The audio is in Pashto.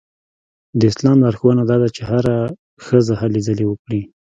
د اسلام لارښوونه دا ده چې هره ښځه هلې ځلې وکړي.